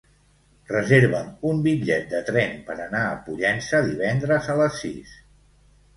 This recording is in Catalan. Reserva'm un bitllet de tren per anar a Pollença divendres a les sis.